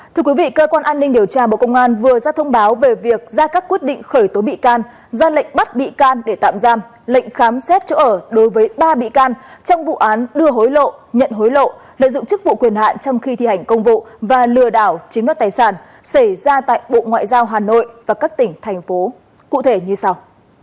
thưa quý vị cơ quan an ninh điều tra bộ công an vừa ra thông báo về việc ra các quyết định khởi tố bị can ra lệnh bắt bị can để tạm giam lệnh khám xét chỗ ở đối với ba bị can trong vụ án đưa hối lộ nhận hối lộ lợi dụng chức vụ quyền hạn trong khi thi hành công vụ và lừa đảo chiếm đoạt tài sản xảy ra tại bộ ngoại giao hà nội và các tỉnh thành phố cụ thể như sau